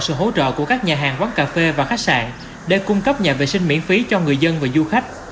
sự hỗ trợ của các nhà hàng quán cà phê và khách sạn để cung cấp nhà vệ sinh miễn phí cho người dân và du khách